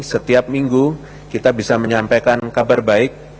setiap minggu kita bisa menyampaikan kabar baik